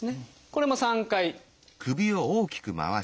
これも３回。